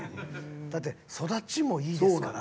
だって育ちもいいですから。